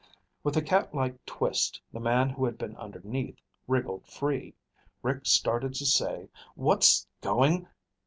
With a catlike twist the man who had been underneath wriggled free. Rick started to say, "What's going..."